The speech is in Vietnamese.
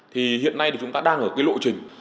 thì hiện nay thì chúng ta đang ở cái lộ trình